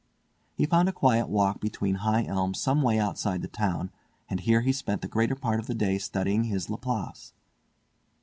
He found a quiet walk between high elms some way outside the town, and here he spent the greater part of the day studying his Laplace.